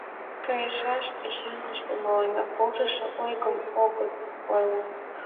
Кайышаш, Эчан, тыште мыланна полшышо ойым огыт ойло.